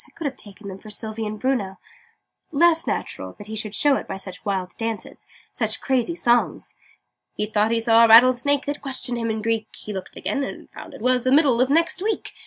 I could have taken them for Sylvie and Bruno less natural that he should show it by such wild dances, such crazy songs! "He thought he saw a Rattlesnake That questioned him in Greek: He looked again, and found it was The Middle of Next Week.